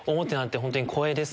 本当に光栄です。